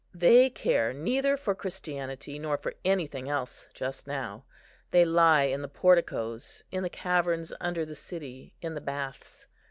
They care neither for Christianity, nor for anything else just now. They lie in the porticoes, in the caverns under the city, in the baths.